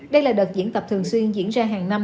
đây là đợt diễn tập thường xuyên diễn ra hàng năm